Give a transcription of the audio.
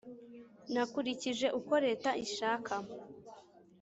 Nakurikije uko Leta ishaka.